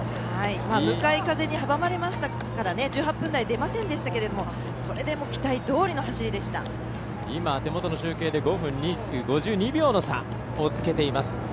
向かい風に阻まれましたから、１８分台出ませんでしたがそれでも期待通りの手元の集計で５分５２秒の差をつけています。